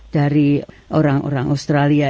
dari orang orang australia